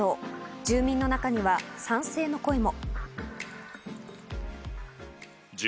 住民の中には賛成の声も。